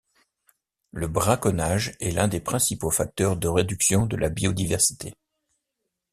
Le braconnage est l'un des principaux facteurs de réduction de la biodiversité.